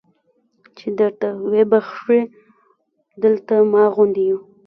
چې درته ویې بخښي دلته ما غوندې یو.